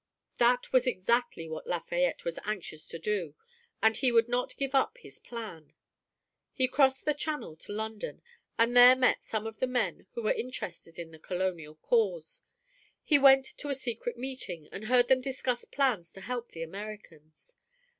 That was exactly what Lafayette was anxious to do, and he would not give up his plan. He crossed the Channel to London, and there met some of the men who were interested in the colonial cause. He went to a secret meeting, and heard them discuss plans to help the Americans.